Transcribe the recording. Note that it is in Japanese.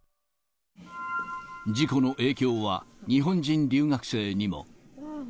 事故の影響は、日本人留学生にも。